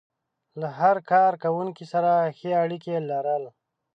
له هر کار کوونکي سره ښې اړيکې لرل.